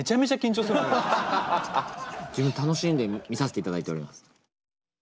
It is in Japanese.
楽しんで見させていただいております。